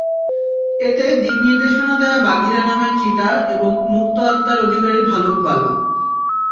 এতে দিকনির্দেশনা দেয় বাঘিরা নামের চিতা এবং মুক্ত আত্মার অধিকারী ভালুক বালু।